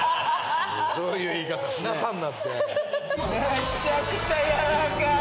めちゃくちゃ軟らかい。